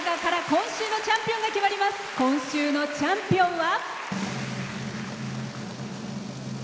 今週のチャンピオンは。